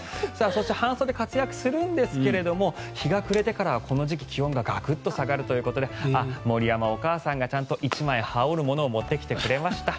そして半袖活躍するんですが日が暮れてからはこの時期、気温がガクッと下がるということで森山お母さんがちゃんと１枚、羽織るものを持ってきてくれました。